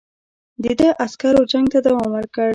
د ده عسکرو جنګ ته دوام ورکړ.